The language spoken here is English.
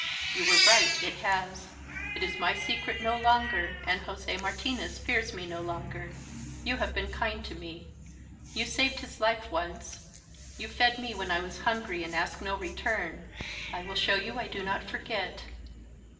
You were right; it has. It is my secret no longer and José Martinez fears me no longer. You have been kind to me. You saved his life once; you fed me when I was hungry and asked no return. I will show you I do not forget.